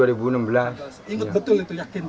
ingat betul itu yakin